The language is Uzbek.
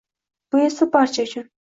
Bu esa barcha uchun